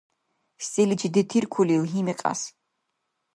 Селичи детиркулил гьимикьяс